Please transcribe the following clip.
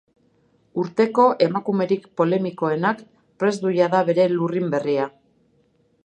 Urteko emakumerik polemikoenak prest du jada bere lurrin berria.